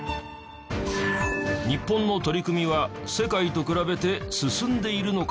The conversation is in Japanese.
日本の取り組みは世界と比べて進んでいるのか？